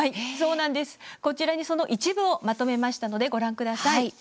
こちらに、その一部をまとめましたので、ご覧ください。